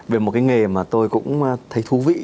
về một cái nghề mà tôi cũng thấy thú vị